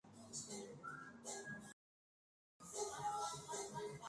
Medicinalmente se utiliza como laxante.